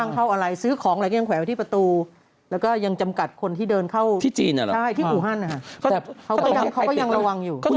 คนไทยเลือกออกว่าใช้ชีวิตอยู่แล้ว